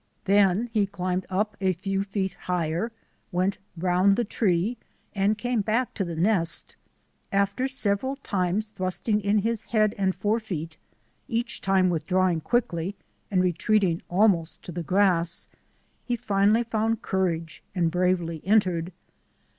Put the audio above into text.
Then he climbed up a few feet higher, went round the tree and came back to the nest. After several times thrusting in WAITING IN THE WILDERNESS 27 his head and forefeet — each time withdrawing quickly and retreating almost to the grass — he finally found courage and bravely entered.